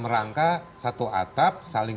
rangka satu atap saling